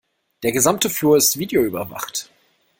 Der gesamte Flur ist videoüberwacht.